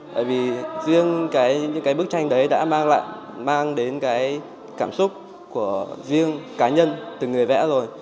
bởi vì riêng những cái bức tranh đấy đã mang đến cái cảm xúc của riêng cá nhân từ người vẽ rồi